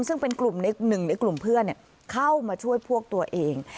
ซึ่งเป็นกลุ่มหนึ่งในกลุ่มเพื่อนเข้ามาช่วยพวกตัวเอง